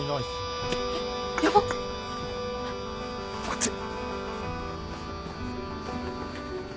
こっち。